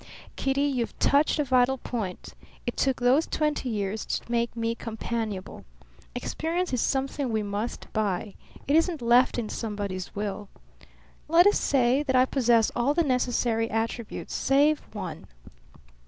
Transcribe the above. "Kitty, you've touched a vital point. It took those twenty years to make me companionable. Experience is something we must buy; it isn't left in somebody's will. Let us say that I possess all the necessary attributes save one."